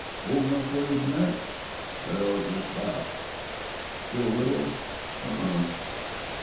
"Cold enough for you to night?" "Well, just about." "Still a widower?" "Uh huh."